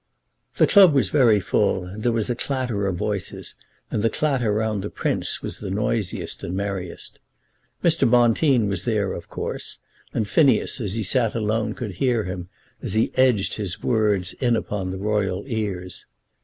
The club was very full, and there was a clatter of voices, and the clatter round the Prince was the noisiest and merriest. Mr. Bonteen was there, of course, and Phineas as he sat alone could hear him as he edged his words in upon the royal ears.